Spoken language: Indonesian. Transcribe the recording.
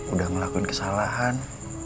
udah ngelakuin kesalahan